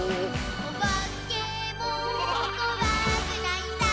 「おばけもこわくないさ」